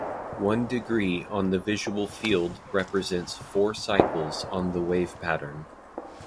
One degree on the visual field represents four cycles on the wave pattern.